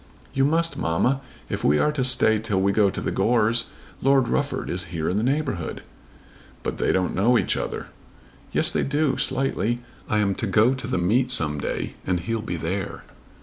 "You must, mamma, if we are to stay till we go to the Gores. Lord Rufford is here in the neighbourhood." "But they don't know each other." "Yes they do; slightly. I am to go to the meet some day and he'll be there."